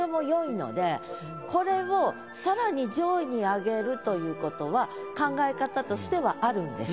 これをさらに上位に上げるということは考え方としてはあるんです。